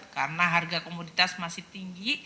karena harga komoditas masih tinggi